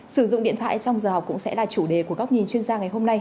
sử dụng điện thoại trong giờ cũng sẽ là chủ đề của góc nhìn chuyên gia ngày hôm nay